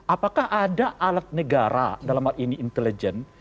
apakah ada alat negara dalam hal ini intelijen